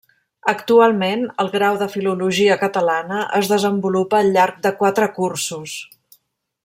Actualment, el Grau de Filologia catalana es desenvolupa al llarg de quatre cursos.